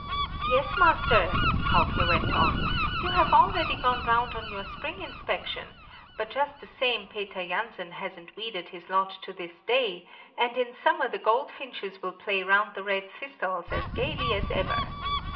"Yes, master," Hauke went on, "you have already gone round on your spring inspection; but just the same Peter Jansen hasn't weeded his lot to this day; and in summer the goldfinches will play round the red thistles as gaily as ever.